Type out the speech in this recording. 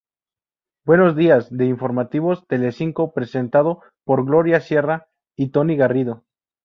Buenos días" de "Informativos Telecinco", presentado por Gloria Serra y Toni Garrido.